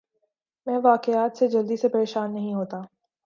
میں واقعات سے جلدی سے پریشان نہیں ہوتا